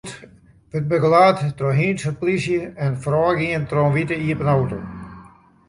De stoet wurdt begelaat troch hynsteplysje en foarôfgien troch in wite iepen auto.